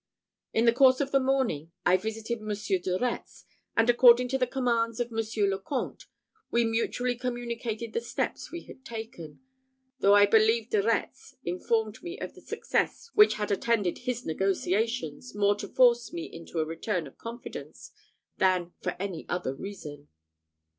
In the course of the morning, I visited Monsieur de Retz; and, according to the commands of Monsieur le Comte, we mutually communicated the steps we had taken though I believe De Retz informed me of the success which had attended his negotiations, more to force me into a return of confidence than for any other reason.